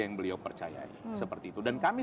yang beliau percayai seperti itu dan kami